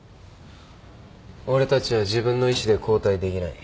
俺たちは自分の意思で交代できない。